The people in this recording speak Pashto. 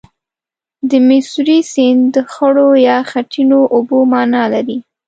د میسوری سیند د خړو یا خټینو اوبو معنا لري.